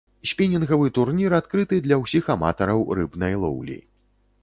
Спінінгавы турнір адкрыты для ўсіх аматараў рыбнай лоўлі.